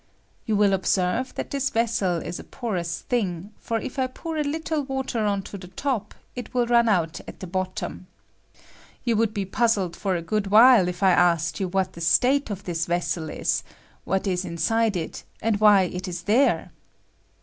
You will observe that this vessel is a porous thing ; for if I pour a little water on to the top. I RISE OF FLUID THROUGH CANE. fit mil run out at the bottom. You would be puzzled for a good while if I aaked you what the state of this vessel is, what is iuside it, and why it is there